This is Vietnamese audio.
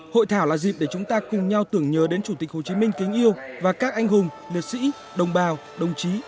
hội thảo là dịp để chúng ta cùng nhau tưởng nhớ đến chủ tịch hồ chí minh kính yêu và các anh hùng liệt sĩ đồng bào đồng chí